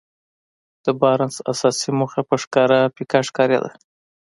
د بارنس اساسي موخه په ښکاره پيکه ښکارېده.